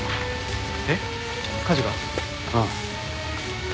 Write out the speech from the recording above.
えっ火事が？ああ。